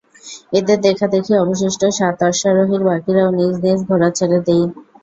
এদের দেখাদেখি অবশিষ্ট সাত অশ্বারোহীর বাকীরাও নিজ নিজ ঘোড়া ছেড়ে দেয়।